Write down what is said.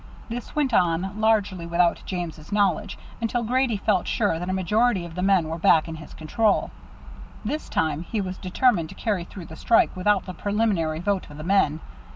This went on, largely without James' knowledge, until Grady felt sure that a majority of the men were back in his control. This time he was determined to carry through the strike without the preliminary vote of the men.